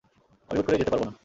আমি হুট করেই যেতে পারব না।